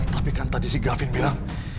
tapi kan tadi sih gavin bilang